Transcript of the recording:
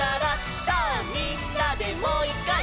「さぁみんなでもういっかい」